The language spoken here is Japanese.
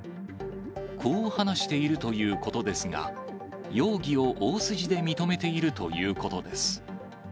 こう話しているということですが、容疑を大筋で認めているということです。